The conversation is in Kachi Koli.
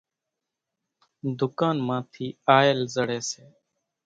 ۮُڪانَ مان ٿِي آئل زڙيَ سي۔